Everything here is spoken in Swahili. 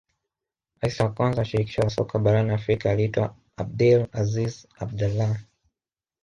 rais wa kwanza wa shirikisho la soka barani afrika aliitwa abdel aziz abdalah